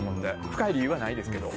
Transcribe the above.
深い理由はないですけど。